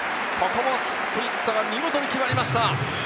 ここもスプリットが見事に決まりました。